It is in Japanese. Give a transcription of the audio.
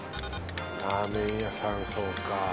ラーメン屋さんそうか。